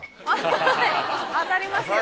当たりますよ